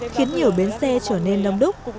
khiến nhiều bến xe trở nên đông đúc